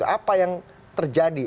apa yang terjadi